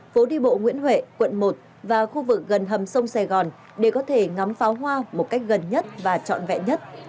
phố đi bộ nguyễn huệ quận một và khu vực gần hầm sông sài gòn để có thể ngắm pháo hoa một cách gần nhất và trọn vẹn nhất